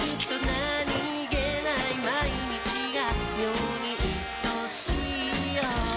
何気ない毎日が妙にいとしいよ